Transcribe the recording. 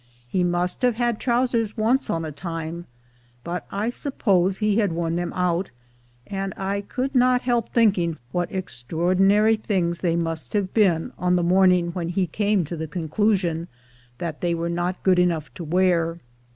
He must have had trousers once on a time, but I suppose he had worn them out ; and I could not help thinking what extraor dinary things they must have been on the morning when he came to the conclusion that they were not good enough to wear.